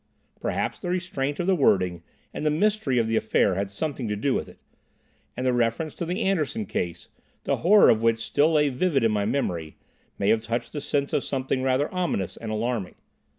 Perhaps the restraint of the wording, and the mystery of the affair had something to do with it; and the reference to the Anderson case, the horror of which lay still vivid in my memory, may have touched the sense of something rather ominous and alarming.